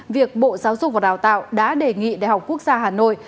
việc bộ giáo dục và đào tạo đã đề nghị đại học quốc gia hà nội